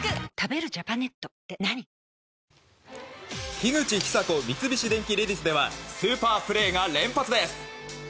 樋口久子三菱電機レディスではスーパープレーが連発です。